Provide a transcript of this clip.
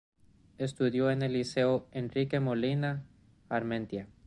Estudió en el Liceo Enrique Molina Garmendia.